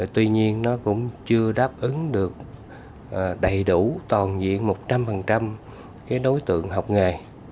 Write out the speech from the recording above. tuy nhiên nó cũng chưa đáp ứng được đầy đủ toàn diện một trăm linh đối tượng học nghề